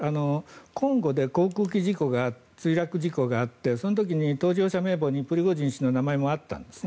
コンゴで航空機墜落事故があってその時に搭乗者名簿にプリゴジン氏の名前もあったんです。